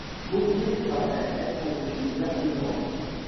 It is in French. Mauguille paraît être originaire d'Irlande.